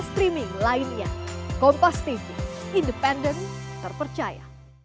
streaming lainnya kompas tv independen terpercaya